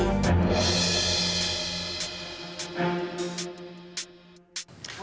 ketiga budak kepala